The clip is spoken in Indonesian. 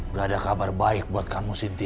gak ada kabar baik buat kamu sintia